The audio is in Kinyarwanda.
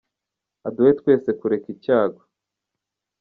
Aduhe twese kureka icyago